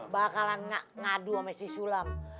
bakalan ngadu sama si sulam